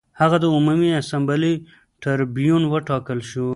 هغه د عمومي اسامبلې ټربیون وټاکل شو